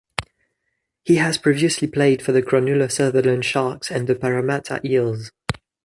He has previously played for the Cronulla-Sutherland Sharks and the Parramatta Eels.